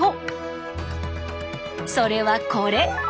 それはこれ！